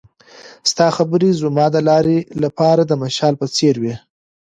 ستا خبرې زما د لارې لپاره د مشال په څېر وې.